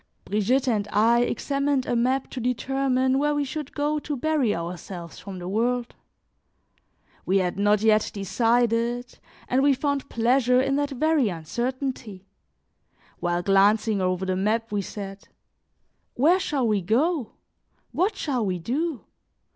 Brigitte and I examined a map to determine where we should go to bury ourselves from the world; we had not yet decided and we found pleasure in that very uncertainty; while glancing over the map, we said: "Where shall we go? What shall we do?